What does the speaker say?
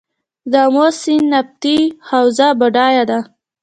د امو سیند نفتي حوزه بډایه ده؟